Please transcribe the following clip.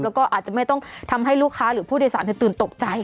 แล้วก็อาจจะไม่ต้องทำให้ลูกค้าหรือผู้โดยสารตื่นตกใจ